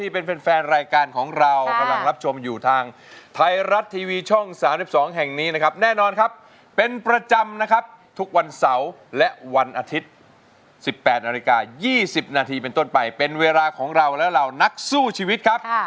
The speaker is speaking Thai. เพราะเราคือร้องได้ให้ล้านลูกคุ้งสู้ชีวิต